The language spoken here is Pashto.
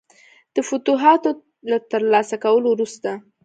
د فتوحاتو له ترلاسه کولو وروسته.